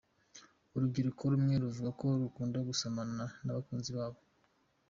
Urubyiruko rumwe ruvuga ko rukunda gusomana n’abakunzi babo.